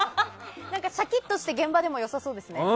しゃきっとして現場でも良さそうですね。